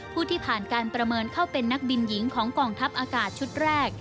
ที่ผ่านการประเมินเข้าเป็นนักบินหญิงของกองทัพอากาศชุดแรก